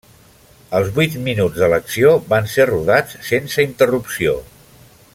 Els vuit minuts de l'acció van ser rodats sense interrupció.